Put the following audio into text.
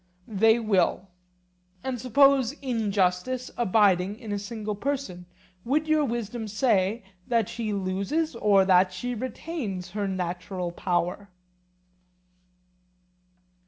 They will. And suppose injustice abiding in a single person, would your wisdom say that she loses or that she retains her natural power?